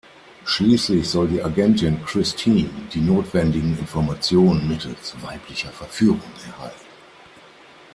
Schließlich soll die Agentin Christine die notwendigen Informationen mittels weiblicher Verführung erhalten.